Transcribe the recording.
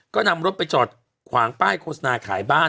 ก็นำรถไปจอดขวางป้ายโฆษณาขายบ้าน